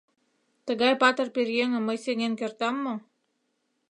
— Тыгай патыр пӧръеҥым мый сеҥен кертам мо?